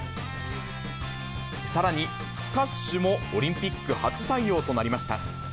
さらにスカッシュもオリンピック初採用となりました。